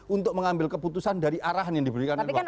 untuk mengambil keputusan dari arahan yang diberikan oleh bapak